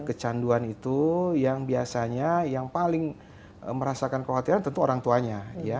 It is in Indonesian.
ya kecanduan itu yang biasanya yang paling merasakan kekhawatiran tentu orang tuanya